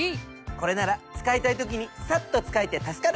これなら使いたい時にサッと使えて助かる！